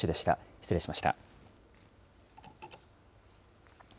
失礼しました。